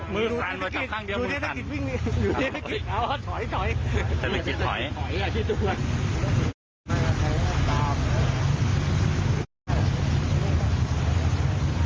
มือสั้นมาจากข้างเดียวมือสั่น